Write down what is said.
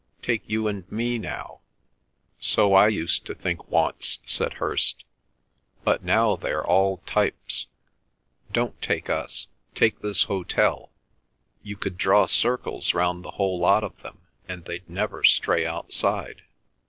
Take you and me now." "So I used to think once," said Hirst. "But now they're all types. Don't take us,—take this hotel. You could draw circles round the whole lot of them, and they'd never stray outside."